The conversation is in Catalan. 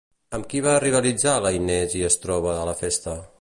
Amb qui va rivalitzar la Inés i es troba a la festa?